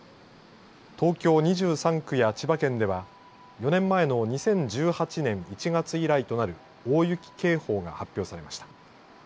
東京２３区や千葉県では４年前の２０１８年１月以来となる大雪警報が発表されました。